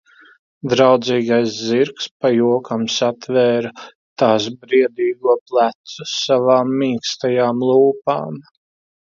Draudzīgais zirgs pa jokam satvēra tās briedīgo plecu savām mīkstajām lūpām.